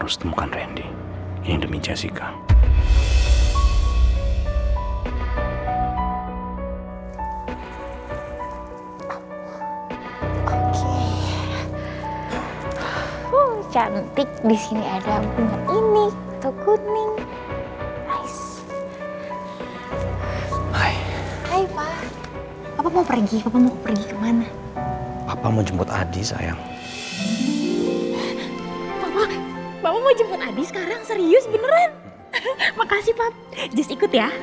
sampai jumpa di video selanjutnya